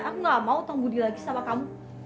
aku nggak mau utang budi lagi sama kamu